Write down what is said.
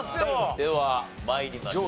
では参りましょう。